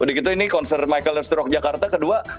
udah gitu ini konser michael hirst rock jakarta kedua